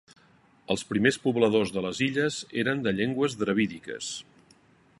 Els primers pobladors de les illes eren de llengües dravídiques.